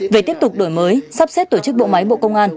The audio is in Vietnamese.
về tiếp tục đổi mới sắp xếp tổ chức bộ máy bộ công an